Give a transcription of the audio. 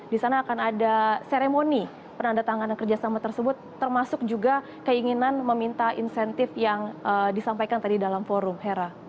di sana akan ada seremoni penandatanganan kerjasama tersebut termasuk juga keinginan meminta insentif yang disampaikan tadi dalam forum hera